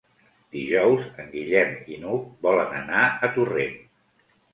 Dijous en Guillem i n'Hug volen anar a Torrent.